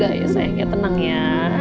gak ya sayangnya tenang ya